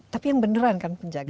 tapi yang beneran kan penjaga